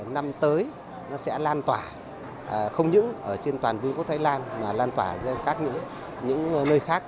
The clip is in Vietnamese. năm tới nó sẽ lan tỏa không những ở trên toàn vương quốc thái lan mà lan tỏa lên các những nơi khác